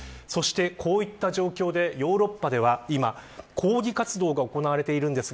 こういった状況でヨーロッパでは今、抗議活動が行われています。